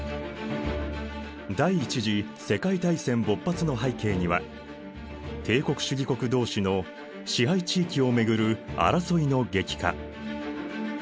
第一次世界大戦勃発の背景には帝国主義国同士の支配地域をめぐる争いの激化